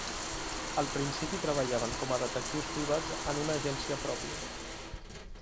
Al principi treballaven com a detectius privats en una agència pròpia.